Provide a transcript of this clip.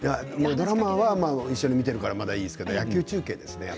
ドラマは一緒に見てるからいいですが野球中継ですね。